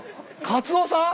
カツオさん？